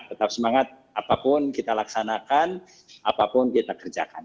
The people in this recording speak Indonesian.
tetap semangat apapun kita laksanakan apapun kita kerjakan